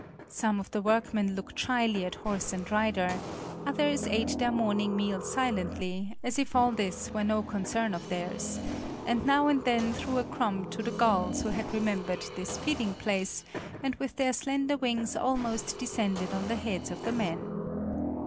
Some of the workmen looked shyly at horse and rider, others ate their morning meal silently, as if all this were no concern of theirs, and now and then threw a crumb to the gulls who had remembered this feeding place and with their slender wings almost descended on the heads of the men.